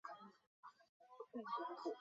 后升任陆军第四镇统制。